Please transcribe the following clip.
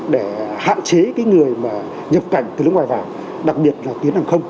để hạn chế cái người mà nhập cảnh từ nước ngoài vào đặc biệt là tuyến hàng không